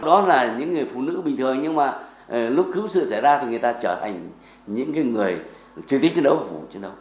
đó là những người phụ nữ bình thường nhưng mà lúc cứu sự xảy ra thì người ta trở thành những người chơi tích chiến đấu